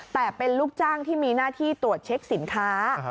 แต่เป็นลูกจ้างที่มีหน้าที่ตรวจเช็คสินค้า